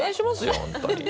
本当に。